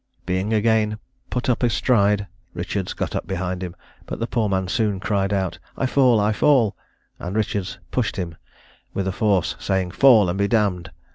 Being again put up astride, Richards got up behind him; but the poor man soon cried out, "I fall, I fall," and Richards pushed him with force, saying, "Fall, and be d d!"